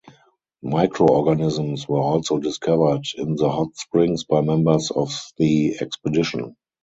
Microorganisms were also discovered in the hot springs by members of the expedition.